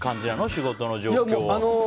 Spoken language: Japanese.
仕事の状況。